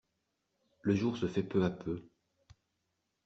Le jour se fait peu à peu.